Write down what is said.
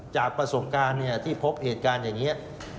จากประสบการณ์ที่พบเหตุการณ์อย่างนี้